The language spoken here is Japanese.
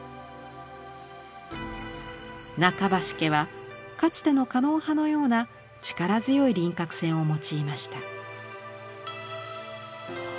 「中橋家」はかつての狩野派のような力強い輪郭線を用いました。